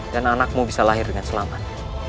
dan anakmu bisa lahir dengan selamat